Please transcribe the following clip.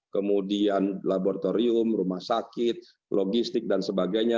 kemudian laboratorium rumah sakit logistik dan sebagainya